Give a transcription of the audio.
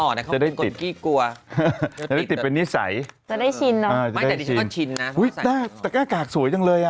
ติดจะได้ชินเนอะแต่ใกล้อากาศสวยจังเลย